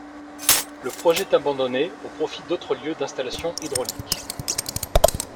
Le projet est abandonné au profit d’autres lieux d’installations hydrauliques.